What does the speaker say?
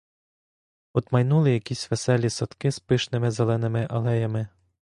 От майнули якісь веселі садки з пишними зеленими алеями.